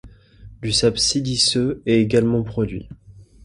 Du sable siliceux est également produit.